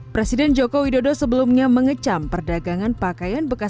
presiden joko widodo sebelumnya mengecam perdagangan pakaian bekas